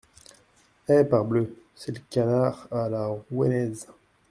Eh ! parbleu, c’est le canard à la Rouennaise !